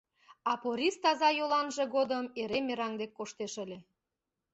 А Порис таза йоланже годым эре мераҥ дек коштеш ыле...